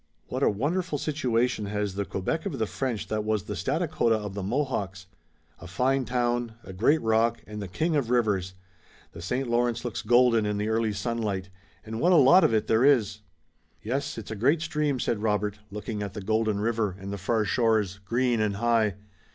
What a wonderful situation has the Quebec of the French that was the Stadacona of the Mohawks! A fine town, a great rock and the king of rivers! The St. Lawrence looks golden in the early sunlight, and what a lot of it there is!" "Yes, it's a great stream," said Robert, looking at the golden river and the far shores, green and high.